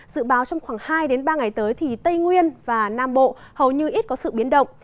dự báo trong khoảng hai ba ngày tới thì tây nguyên và nam bộ hầu như ít có sự biến động